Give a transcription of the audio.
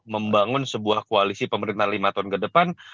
membangun sebuah koalisi pemerintahan lima tahun ke depan